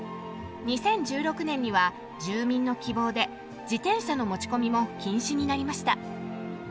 ２０１６年には住民の希望で自転車の持ち込みも禁止になりました。